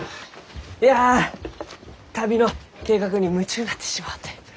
いや旅の計画に夢中になってしもうて。